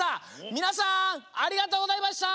みなさんありがとうございました！